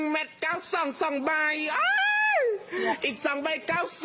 ๑เมตร๙๒๒ใบอีก๒ใบ๙๒